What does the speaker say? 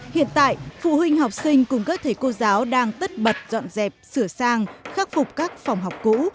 hiện tại phụ huynh học sinh cùng các thầy cô giáo đang tất bật dọn dẹp sửa sang khắc phục các phòng học cũ